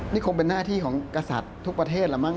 นี่คงเป็นหน้าที่ของกษัตริย์ทุกประเทศละมั